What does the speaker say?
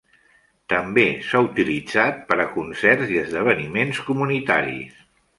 També s'ha utilitzat per a concerts i esdeveniments comunitaris.